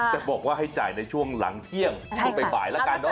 จะบอกว่าให้จ่ายในช่วงหลังเที่ยงช่วงบ่ายแล้วกันเนอ